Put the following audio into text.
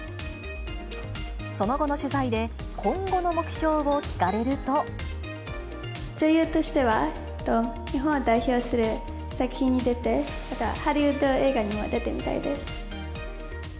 その後の取材で、今後の目標を聞女優としては、日本を代表する作品に出て、ハリウッド映画にも出てみたいです。